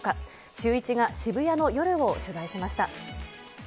シューイチが渋谷の夜を取材しました。